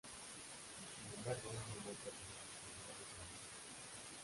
Sin embargo, no han vuelto a tener actividad desde entonces.